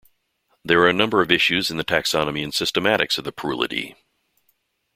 There are a number of issues in the taxonomy and systematics of the Parulidae.